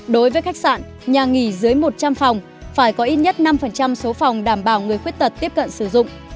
hai sáu năm một đối với khách sạn nhà nghỉ dưới một trăm linh phòng phải có ít nhất năm số phòng đảm bảo người khuyết tật tiếp cận sử dụng